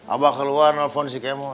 abah keluar nelfon si kemo